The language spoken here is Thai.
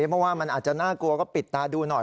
เพราะว่ามันอาจจะน่ากลัวก็ปิดตาดูหน่อย